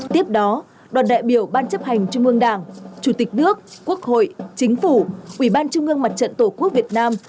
tiếp đó đoàn đại biểu ban chấp hành trung ương đảng chủ tịch nước quốc hội chính phủ ủy ban trung ương mặt trận tổ quốc việt nam